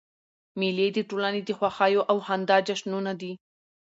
مېلې د ټولني د خوښیو او خندا جشنونه دي.